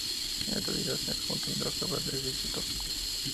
En la actualidad se ejecutan las obras de dicho tramo.